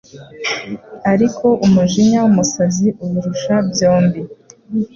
ariko umujinya w’umusazi ubirusha byombi